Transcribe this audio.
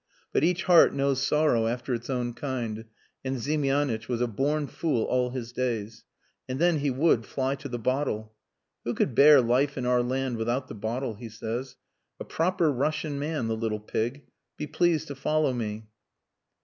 But each heart knows sorrow after its own kind and Ziemianitch was a born fool all his days. And then he would fly to the bottle. "'Who could bear life in our land without the bottle?' he says. A proper Russian man the little pig.... Be pleased to follow me."